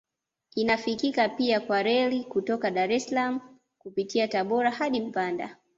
Inafikika pia kwa reli kutoka Dar es Salaam kupitia Tabora hadi mpanda